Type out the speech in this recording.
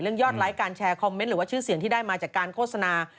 ยอดไลค์การแชร์คอมเมนต์หรือว่าชื่อเสียงที่ได้มาจากการโฆษณา